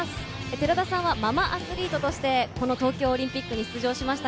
寺田さんは、ママアスリートとして東京オリンピックに出場しました。